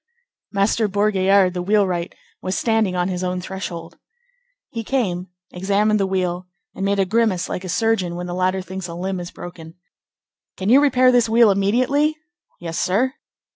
Master Bourgaillard, the wheelwright, was standing on his own threshold. He came, examined the wheel and made a grimace like a surgeon when the latter thinks a limb is broken. "Can you repair this wheel immediately?" "Yes, sir."